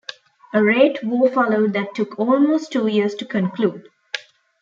A rate war followed that took almost two years to conclude.